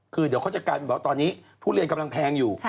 คือเดี๋ยวเขาจะกลายเป็นว่าตอนนี้ทุเรียนกำลังแพงอยู่